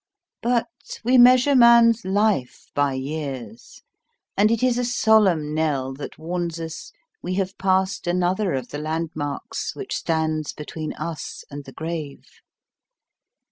But, we measure man's life by years, and it is a solemn knell that warns us we have passed another of the landmarks which stand between us and the grave.